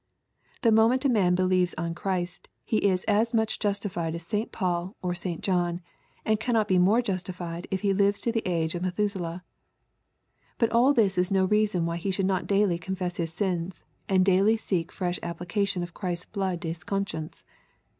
The moment a man believes on Christ, he is as much justified as St. Paul or St. John, and cannot be more justified if he Uves to the age of Methusaleh. But all this is no reason why he should not daily confess his sins, and daily seek fresh applica tion of Christ's blood to his conscience.